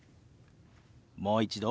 もう一度。